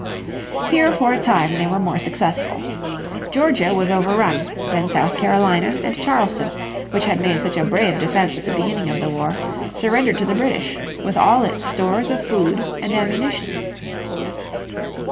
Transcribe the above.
Here for a time they were more successful. Georgia was overrun, then South Carolina, and Charleston, which had made such a brave defence at the beginning of the war, surrendered to the British, with all its stores of food and ammunition.